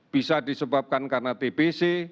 bisa disebabkan karena tbc